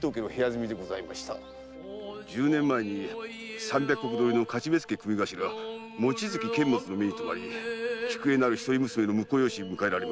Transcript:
十年前に三百石取りの徒目付組頭望月監物の目にとまり「菊絵」なる一人娘の婿養子に迎えられました。